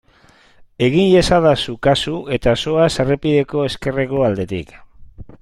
Egin iezadazu kasu eta zoaz errepideko ezkerreko aldetik.